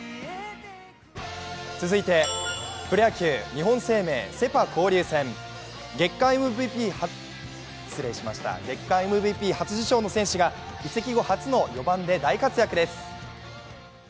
続いてプロ野球日本生命セ・パ交流戦、月間ＭＶＰ初受賞の選手が移籍後初の４番で大活躍です。